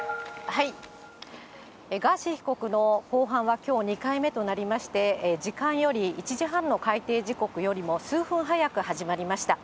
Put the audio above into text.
ガーシー被告の公判はきょう２回目となりまして、時間より１時半の開廷時刻よりも数分早く始まりました。